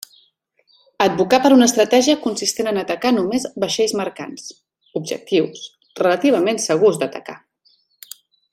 Advocà per una estratègia consistent en atacar només vaixells mercants, objectius relativament segurs d'atacar.